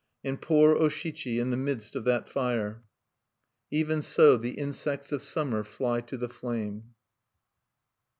And poor O Shichi in the midst of that fire! Even so the insects of summer fly to the flame.